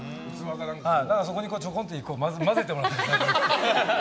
そこにちょこんと混ぜてもらってるみたいな。